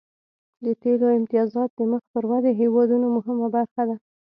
د تیلو امتیازات د مخ پر ودې هیوادونو مهمه برخه ده